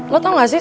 lo tau gak sih